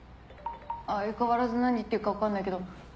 相変わらず何言ってるか分かんないけど。